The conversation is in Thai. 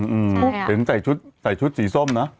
อืมเป็นใส่ชุดสีส้มนะ